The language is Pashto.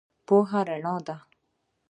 پوهه رڼا ده